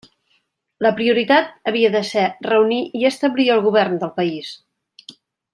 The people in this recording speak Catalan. La prioritat havia de ser reunir i establir el govern del país.